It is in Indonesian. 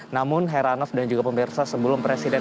namun heranov dan juga pemirsa sebelum presiden